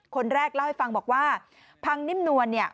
คนแรกเล่าให้ฟังบอกว่าพังนิ่มนวลเนี่ย